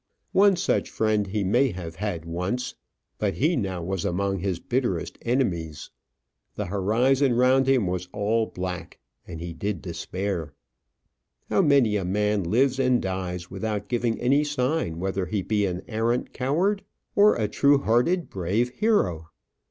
One such friend he may have had once; but he now was among his bitterest enemies. The horizon round him was all black, and he did despair. How many a man lives and dies without giving any sign whether he be an arrant coward, or a true hearted, brave hero!